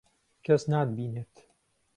کەس ناتبینێت.